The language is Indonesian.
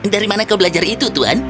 dari mana kau belajar itu tuhan